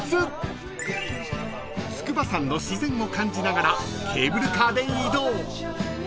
［筑波山の自然を感じながらケーブルカーで移動］